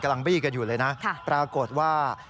กำลังบีกันอยู่เลยนะปรากฏว่า